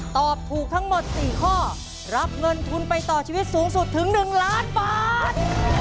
ตอบถูกทั้งหมด๔ข้อรับเงินทุนไปต่อชีวิตสูงสุดถึง๑ล้านบาท